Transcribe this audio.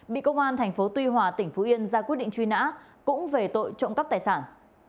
bị công an tp tuy hòa tỉnh phú yên ra quyết định truy nã cũng về tội trộm cắp tài sản